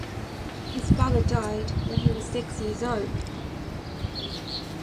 His father died when he was six years old.